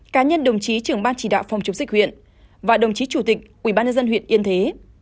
cá nhân đồng chí trưởng ban chỉ đạo phòng chống dịch huyện và đồng chí chủ tịch ubnd huyện yên thế